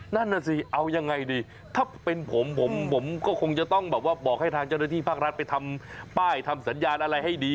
นั่นน่ะสิเอายังไงดีถ้าเป็นผมผมก็คงจะต้องแบบว่าบอกให้ทางเจ้าหน้าที่ภาครัฐไปทำป้ายทำสัญญาณอะไรให้ดี